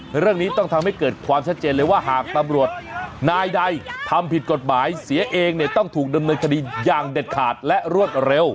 เรื่องนี้ต้องทำให้เกิดความชัดเจนเลยว่าหากตำรวจนายใดทำผิดกฎหมายเสียเองเนี่ยต้องถูกดำเนินคดีอย่างเด็ดขาดและรวดเร็ว